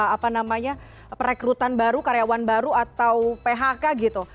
apa namanya perekrutan baru karyawan baru atau phk gitu